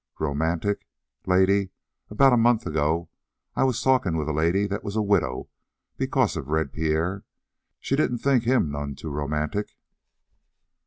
"Romantic? Lady, about a month ago I was talking with a lady that was a widow because of Red Pierre. She didn't think him none too romantic."